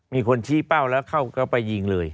มีคนชี้เป้าแล้วเข้าไปยิงเลย